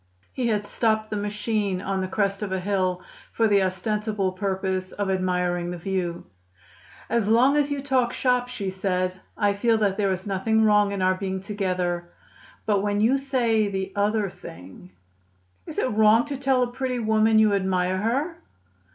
He had stopped the machine on the crest of a hill for the ostensible purpose of admiring the view. "As long as you talk shop," she said, "I feel that there is nothing wrong in our being together; but when you say the other thing " "Is it wrong to tell a pretty woman you admire her?"